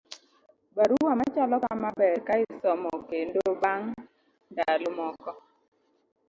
barua machalo kama ber ka isomo kendo bang' ndalo moko